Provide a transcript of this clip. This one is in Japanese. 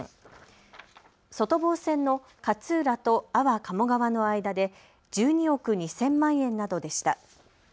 外房線の勝浦と安房鴨川の間で１２億２０００万円などでした。